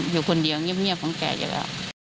อยู่คนเดียวเงียบของแกอยู่แล้ว